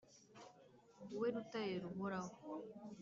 we rutare ruhoraho,